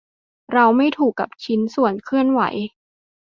เราไม่ถูกกับชิ้นส่วนเคลื่อนไหว